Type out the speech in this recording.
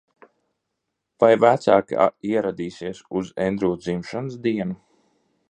Vai vecāki ieradīsies uz Endrjū dzimšanas dienu?